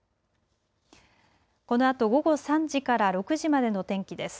このあと午後３時から６時までの天気です。